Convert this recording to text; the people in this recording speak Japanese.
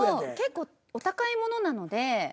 結構お高いものなので。